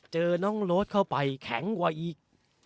เจอน้องโรดเข้าไปแข็งกว่าอีก